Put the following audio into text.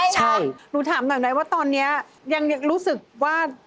ใช่ค่ะ